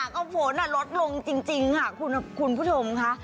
ก็ฝนลดลงจริงค่ะคุณผู้ชมค่ะ